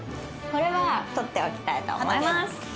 これは取っておきたいと思います。